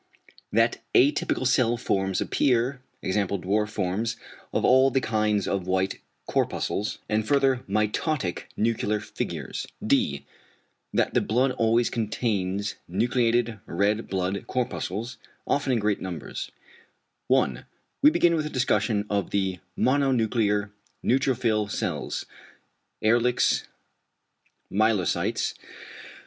=that atypical cell forms appear=, e.g. =dwarf forms of all the kinds of white corpuscles; and further mitotic nuclear figures=; D. =that the blood always contains nucleated red blood corpuscles, often in great numbers=. 1. We begin with the discussion of the =mononuclear neutrophil cells=, Ehrlich's "=myelocytes=."